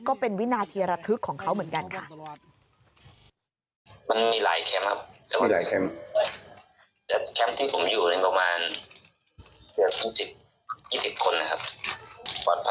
ก็เป็นวินาทีระทึกของเขาเหมือนกันค่ะ